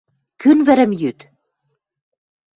Кӱн вӹрӹм йӱт?..